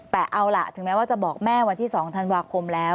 แต่เอาล่ะถึงแม้ว่าจะบอกแม่วันที่๒ธันวาคมแล้ว